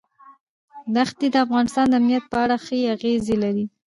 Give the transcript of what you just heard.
ښتې د افغانستان د امنیت په اړه هم اغېز لري.